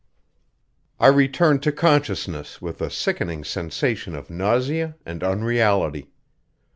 I returned to consciousness with a sickening sensation of nausea and unreality.